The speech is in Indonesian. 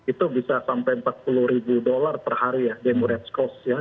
itu bisa sampai empat puluh ribu dolar per hari ya demo reds cost ya